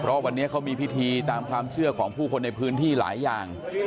เพราะวันนี้เขามีพิธีตามความเชื่อของผู้คนในพื้นที่หลายอย่าง